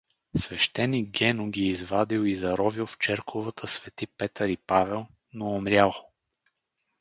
Свещеник Гено ги извадил и заровил в черковата „Св. Петър и Павел“, но умрял.